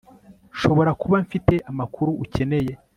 nshobora kuba mfite amakuru ukeneye